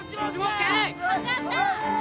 分かった。